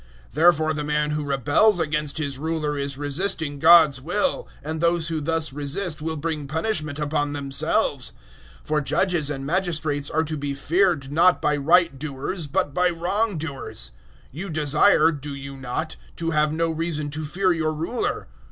013:002 Therefore the man who rebels against his ruler is resisting God's will; and those who thus resist will bring punishment upon themselves. 013:003 For judges and magistrates are to be feared not by right doers but by wrong doers. You desire do you not? to have no reason to fear your ruler.